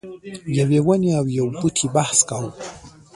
یوې ونې او یو بوټي بحث کاوه.